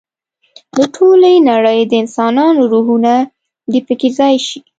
د ټولې نړۍ د انسانانو روحونه دې په کې ځای شي.